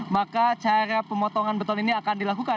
maka cara pemotongan beton ini akan dilakukan